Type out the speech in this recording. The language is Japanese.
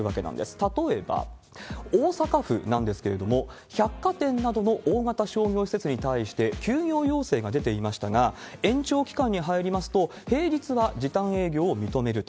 例えば、大阪府なんですけれども、百貨店などの大型商業施設に対して休業要請が出ていましたが、延長期間に入りますと、平日は時短営業を認めると。